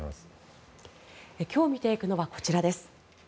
今日見ていくのはこちらです。